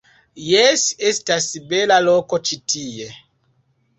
Jes, estas bela loko ĉi tie.